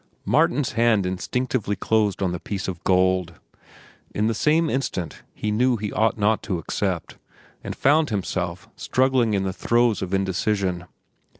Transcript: Martin's hand instinctively closed on the piece of gold. In the same instant he knew he ought not to accept, and found himself struggling in the throes of indecision.